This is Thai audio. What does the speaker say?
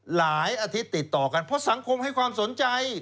หลายอาทิตย์ติดต่อกันเพราะสังคมให้ความสนใจ